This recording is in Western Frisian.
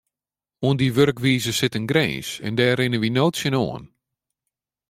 Oan dy wurkwize sit in grins en dêr rinne wy no tsjinoan.